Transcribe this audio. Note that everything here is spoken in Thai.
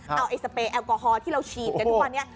เอาเนี้ยสเปร์แอลกอฮอล์ที่เราฉีดในวันนี้